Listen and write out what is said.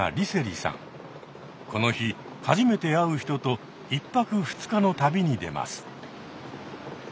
この日初めて会う人と１泊２日の旅に出ます。